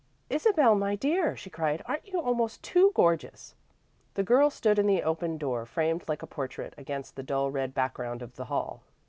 "Isabel, my dear!" she cried. "Aren't you almost too gorgeous?" The girl stood in the open door, framed like a portrait, against the dull red background of the hall.